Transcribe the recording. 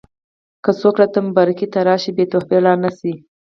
که څوک راته مبارکۍ ته راشي بې تحفې لاړ نه شي.